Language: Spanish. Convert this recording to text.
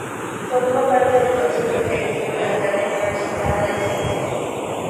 Formó parte del consejo directivo de la Academia Mexicana de Ciencias.